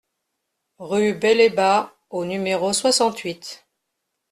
Rue Belébat au numéro soixante-huit